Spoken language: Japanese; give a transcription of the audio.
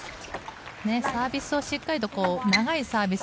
サービスをしっかりと長いサービス